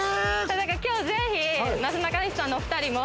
今日ぜひなすなかにしさんのお２人も。